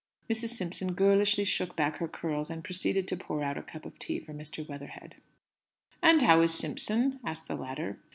Mrs. Simpson girlishly shook back her curls, and proceeded to pour out a cup of tea for Mr. Weatherhead. "And how is Simpson?" asked the latter.